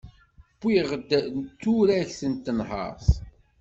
Wwiɣ-d turagt n tenhert.